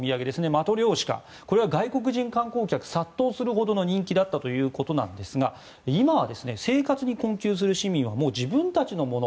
マトリョーシカこれは外国人観光客が殺到するほどの人気だったということですが今は生活に困窮する市民はもう自分たちのもの